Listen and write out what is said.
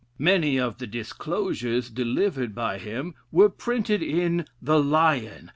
Many of the discourses delivered by him were printed in "The Lion."